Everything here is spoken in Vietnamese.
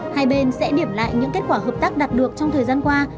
hai bên sẽ điểm lại những kết quả hợp tác đạt được trong thời gian qua